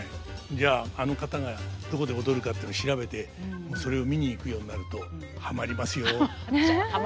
じゃああの方がどこで踊るかっていうの調べてそれを見に行くようになるとはまりますよ。